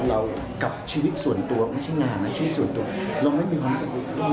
เรากลับชีวิตส่วนตัวไม่ใช่งานนะชีวิตส่วนตัว